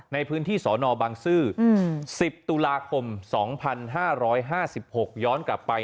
ในพื้นที่สนบังซื้อ๑๐ตุลาคม๒๕๕๖ย้อนกลับไป